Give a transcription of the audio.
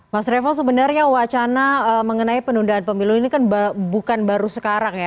mas revo sebenarnya wacana mengenai penundaan pemilu ini kan bukan baru sekarang ya